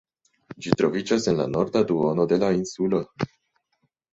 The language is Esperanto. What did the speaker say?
Ĝi troviĝas en la norda duono de la insulo.